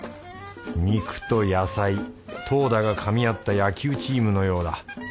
肉と野菜投打がかみ合った野球チームのようだ。